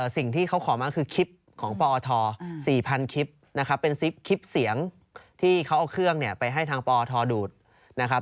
สิ่งที่เขาขอมาคือคลิปของปอท๔๐๐คลิปนะครับเป็นคลิปเสียงที่เขาเอาเครื่องเนี่ยไปให้ทางปอทดูดนะครับ